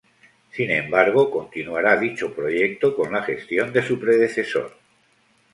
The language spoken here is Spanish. Sin embargo, continuará dicho proyecto con la gestión de su predecesor.